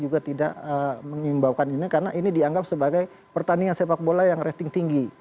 juga tidak mengimbaukan ini karena ini dianggap sebagai pertandingan sepak bola yang rating tinggi